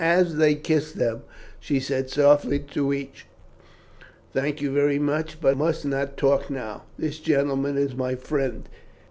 As they kissed them, she said softly to each, "Thank you very much, but I must not talk now. This gentleman is my friend.